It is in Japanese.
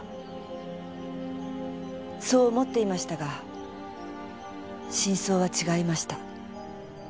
そう思っていましたが真相は違いました。